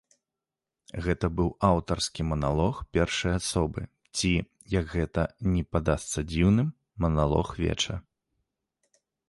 Гэта быў аўтарскі маналог першай асобы, ці, як гэта ні падасца дзіўным, маналог веча.